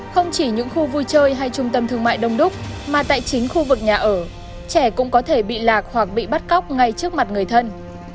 không chỉ những khu vui chơi hay trung tâm thương mại đông đúc mà tại chính khu vực nhà ở trẻ cũng có thể bị lạc hoặc bị bắt cóc ngay trước mặt người thân